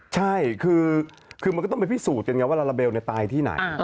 ใช่คือมันก็ต้องไปพิสูจน์กันไงว่าลาลาเบลตายที่ไหน